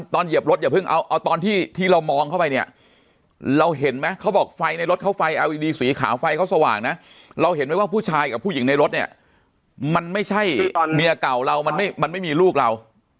เหยียบรถอย่าเพิ่งเอาตอนที่เรามองเข้าไปเนี่ยเราเห็นไหมเขาบอกไฟในรถเขาไฟเอาอีดีสีขาวไฟเขาสว่างนะเราเห็นไหมว่าผู้ชายกับผู้หญิงในรถเนี่ยมันไม่ใช่เมียเก่าเรามันไม่มีลูกเรา